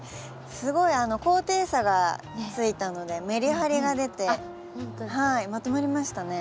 すごい高低差がついたのでメリハリが出てまとまりましたね。